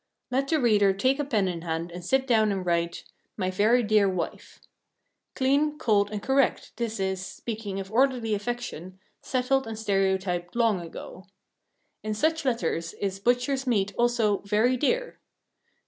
Let the reader take a pen in hand and sit down and write, "My very dear wife." Clean, cold, and correct this is, speaking of orderly affection, settled and stereotyped long ago. In such letters is butcher's meat also "very dear."